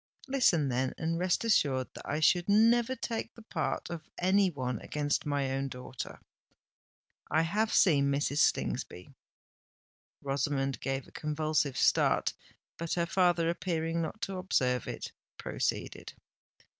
Listen then—and rest assured that I should never take the part of any one against my own daughter. I have seen Mrs. Slingsby." Rosamond gave a convulsive start; but her father, appearing not to observe it, proceeded.